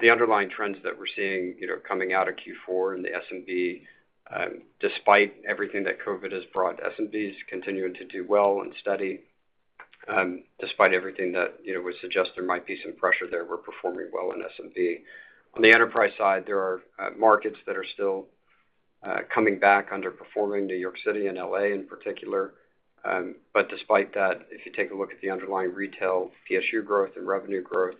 The underlying trends that we're seeing, you know, coming out of Q4 in the SMB, despite everything that COVID has brought, SMB is continuing to do well and steady. Despite everything that, you know, would suggest there might be some pressure there, we're performing well in SMB. On the enterprise side, there are markets that are still coming back underperforming New York City and L.A. in particular. Despite that, if you take a look at the underlying retail PSU growth and revenue growth,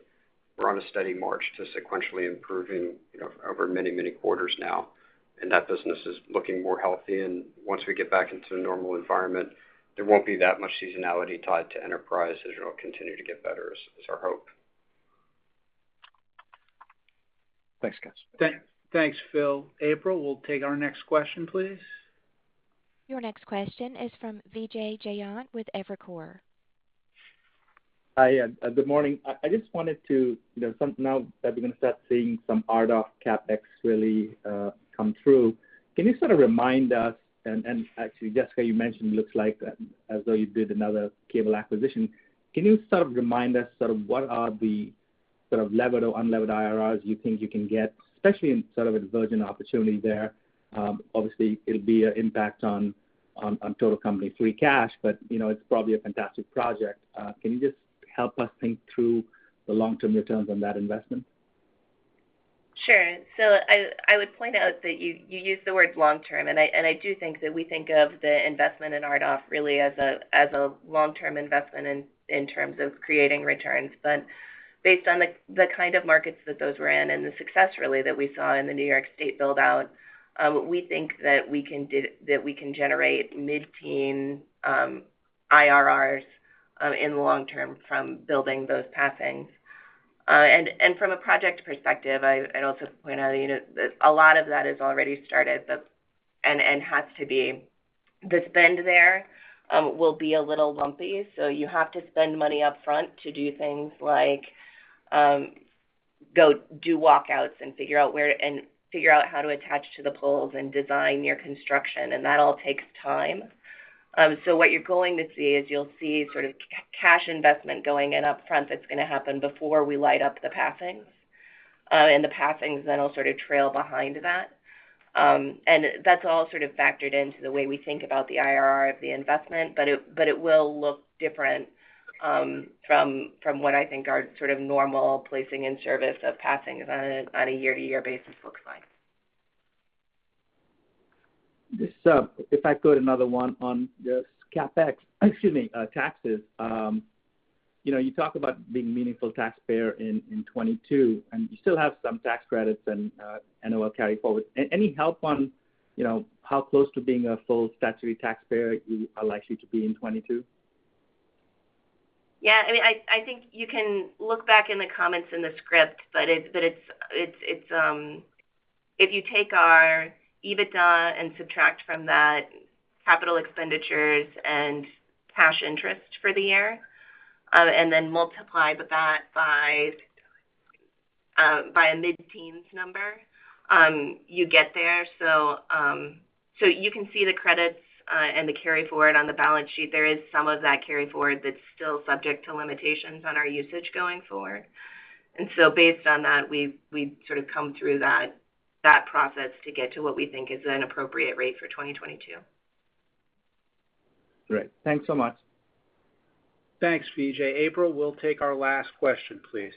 we're on a steady march to sequentially improving, you know, over many, many quarters now. That business is looking more healthy. Once we get back into a normal environment, there won't be that much seasonality tied to enterprise as it'll continue to get better is our hope. Thanks, guys. Thanks, Phil. April, we'll take our next question, please. Your next question is from Vijay Jayant with Evercore. Hi, yeah. Good morning. I just wanted to, you know, now that we're gonna start seeing some RDOF CapEx really come through, can you sort of remind us and actually, Jessica, you mentioned looks like as though you did another cable acquisition. Can you sort of remind us sort of what are the sort of levered or unlevered IRRs you think you can get, especially in sort of a virgin opportunity there? Obviously, it'll be an impact on total company free cash, but, you know, it's probably a fantastic project. Can you just help us think through the long-term returns on that investment? Sure. I would point out that you used the word long-term, and I do think that we think of the investment in RDOF really as a long-term investment in terms of creating returns. But based on the kind of markets that those were in and the success really that we saw in the New York State build-out, we think that we can generate mid-teen IRRs in the long term from building those passings, and from a project perspective, I'd also point out, you know, that a lot of that is already started, but has to be. The spend there will be a little lumpy, so you have to spend money up front to do things like go do walkouts and figure out how to attach to the poles and design your construction, and that all takes time. What you're going to see is you'll see sort of cash investment going in upfront that's gonna happen before we light up the passings. The passings then will sort of trail behind that. That's all sort of factored into the way we think about the IRR of the investment, but it will look different from what I think are sort of normal placing in service of passings on a year-to-year basis looks like. Just, if I could, another one on just CapEx. Excuse me, taxes. You know, you talk about being meaningful taxpayer in 2022, and you still have some tax credits and NOL carryforward. Any help on, you know, how close to being a full statutory taxpayer you are likely to be in 2022? I mean, I think you can look back in the comments in the script, but it's if you take our EBITDA and subtract from that capital expenditures and cash interest for the year, and then multiply that by a mid-teens number, you get there. You can see the credits and the carryforward on the balance sheet. There is some of that carryforward that's still subject to limitations on our usage going forward. Based on that, we've sort of come through that process to get to what we think is an appropriate rate for 2022. Great. Thanks so much. Thanks, Vijay. April, we'll take our last question, please.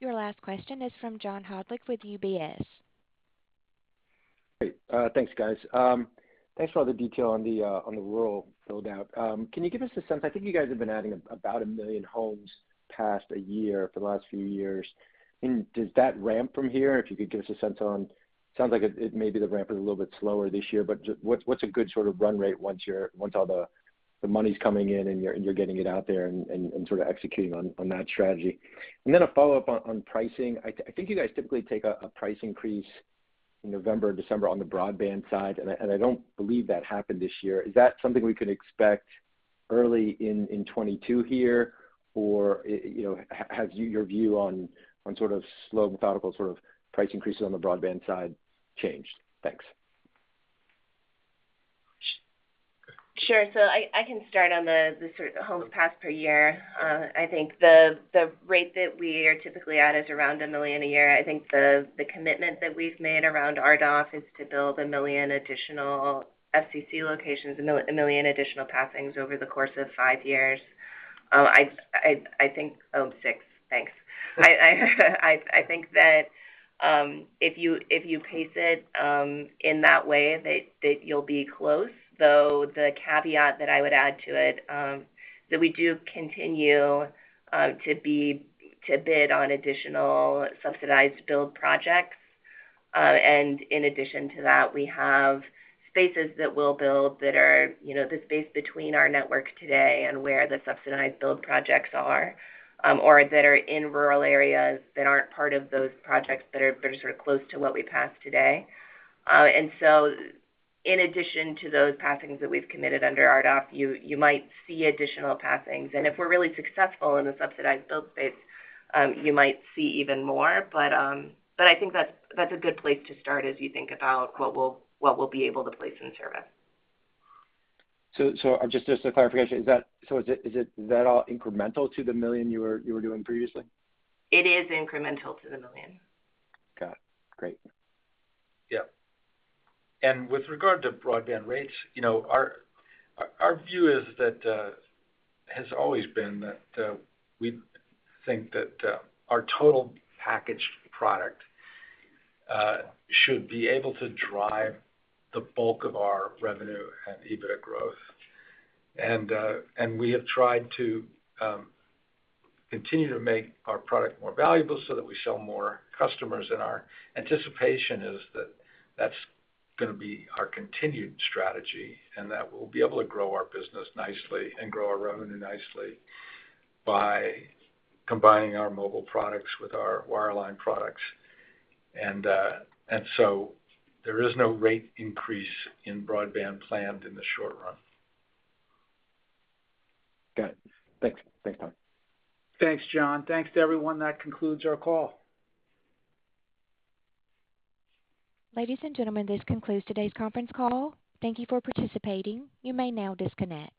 Your last question is from John Hodulik with UBS. Great. Thanks, guys. Thanks for all the detail on the rural build-out. Can you give us a sense? I think you guys have been adding about 1 million homes passed a year for the last few years. Does that ramp from here? If you could give us a sense on it. Sounds like it may be the ramp is a little bit slower this year, but what's a good sort of run rate once all the money's coming in and you're getting it out there and sort of executing on that strategy? Then a follow-up on pricing. I think you guys typically take a price increase in November, December on the broadband side, and I don't believe that happened this year. Is that something we could expect early in 2022 here? Or, you know, has your view on sort of slow, methodical sort of price increases on the broadband side changed? Thanks. I can start on the sort of homes passed per year. I think the rate that we are typically at is around 1 million a year. I think the commitment that we've made around RDOF is to build 1 million additional FCC locations, 1 million additional passings over the course of six years. I think that if you pace it in that way, that you'll be close. Though the caveat that I would add to it, that we do continue to bid on additional subsidized build projects. In addition to that, we have spaces that we'll build that are, you know, the space between our network today and where the subsidized build projects are, or that are in rural areas that aren't part of those projects that are sort of close to what we pass today. In addition to those passings that we've committed under RDOF, you might see additional passings. If we're really successful in the subsidized build space, you might see even more. I think that's a good place to start as you think about what we'll be able to place in service. Just for clarification, is that all incremental to the million you were doing previously? It is incremental to the million. Got it. Great. Yeah. With regard to broadband rates, you know, our view has always been that we think that our total packaged product should be able to drive the bulk of our revenue and EBITDA growth. We have tried to continue to make our product more valuable so that we sell more customers, and our anticipation is that that's gonna be our continued strategy and that we'll be able to grow our business nicely and grow our revenue nicely by combining our mobile products with our wireline products. There is no rate increase in broadband planned in the short run. Got it. Thanks. Thanks, Tom. Thanks, John. Thanks to everyone. That concludes our call. Ladies and gentlemen, this concludes today's conference call. Thank you for participating. You may now disconnect.